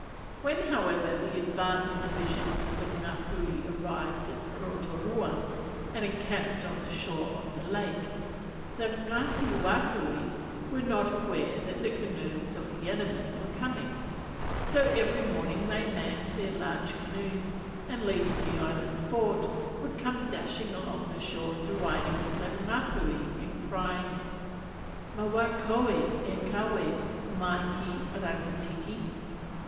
When, however, the advanced division of the Ngapuhi arrived at Rotorua, and encamped on the shore of the lake, the Ngati Wakawe were not aware that the canoes of the enemy were coming, so every morning they manned their large canoes, and leaving the island fort, would come dashing along the shore deriding the Ngapuhi, and crying, "_Ma wai koe e kawe mai ki Rangitiki?